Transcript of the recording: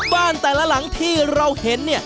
บ้านแต่ละหลังที่เราเห็นเนี่ย